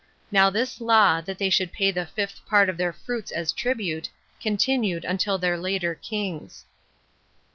Now this law, that they should pay the fifth part of their fruits as tribute, continued until their later kings.